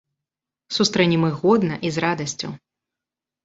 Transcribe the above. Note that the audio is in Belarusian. Сустрэнем іх годна і з радасцю.